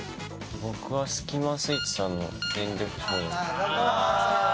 僕はスキマスイッチさんの「全力少年」。